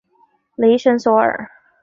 雷神索尔。